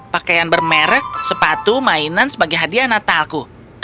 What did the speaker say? pakaian bermerek sepatu mainan sebagai hadiah natalku